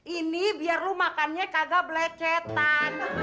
ini biar lo makannya kagak belecetan